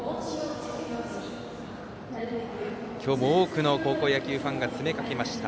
今日も多くの高校野球ファンが詰めかけました。